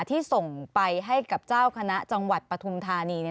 ที่ส่งไปให้กับเจ้าคณะจังหวัดปฐุมธานี